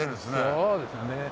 そうですね。